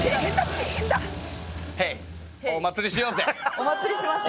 お祭りしますよ。